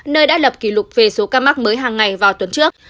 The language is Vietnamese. nơi đã lập kỷ lục về số ca mắc mới hàng ngày vào tuần trước